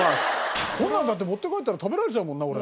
こんなのだって持って帰ったら食べられちゃうもんな俺。